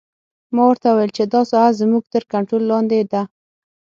ما ورته وویل چې دا ساحه زموږ تر کنترول لاندې ده